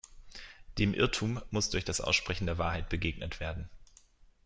Dem Irrtum muss durch das Aussprechen der Wahrheit begegnet werden.